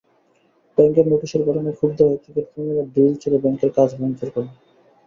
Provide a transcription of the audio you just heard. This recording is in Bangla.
ব্যাংকের নোটিশের ঘটনায় ক্ষুব্ধ হয়ে ক্রিকেটপ্রেমীরা ঢিল ছুড়ে ব্যাংকের কাচ ভাঙচুর করেন।